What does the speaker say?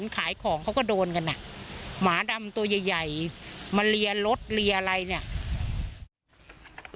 ขายของเขาก็โดนกันอ่ะหมาดำตัวใหญ่ใหญ่มาเลียรถเรียอะไรเนี่ย